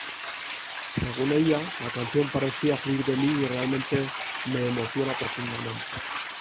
Según ella "la canción parecía fluir de mí y realmente me emociona profundamente".